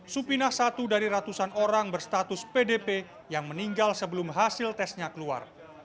supinah satu dari ratusan orang berstatus pdp yang meninggal sebelum hasil tesnya keluar